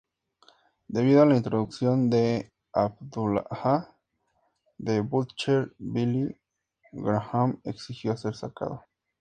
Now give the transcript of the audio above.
Debido a la introducción de Abdullah the Butcher, Billy Graham exigió ser sacado.